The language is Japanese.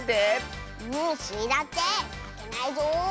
スイだってまけないぞ！